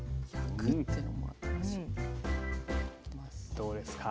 どうですか？